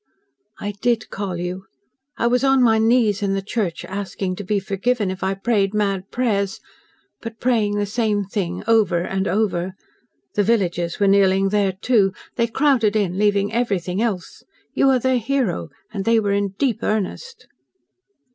"I did call you! I was on my knees in the church asking to be forgiven if I prayed mad prayers but praying the same thing over and over. The villagers were kneeling there, too. They crowded in, leaving everything else. You are their hero, and they were in deep earnest."